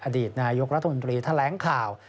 อดีตนายยกรทนตรีแถวแหลงข่าว